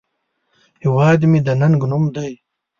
هیواد مې د ننگ نوم دی